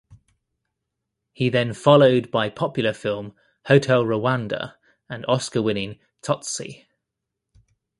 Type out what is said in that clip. He then followed by popular film "Hotel Rwanda" and Oscar Winning "Tsotsi".